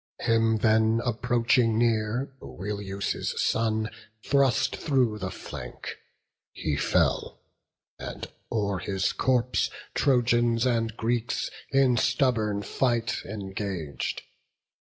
Him then, approaching near, Oileus' son Thrust through the flank: he fell, and o'er his corpse Trojans and Greeks in stubborn fight engag'd.